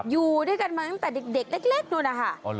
อยู่ด้วยกันมาตั้งแต่เด็กเล็กนู้นนะคะ